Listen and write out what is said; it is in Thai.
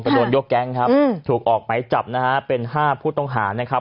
กะโดนยกแก๊งถูกออกไปจับเป็น๕ผู้ต้องหานะครับ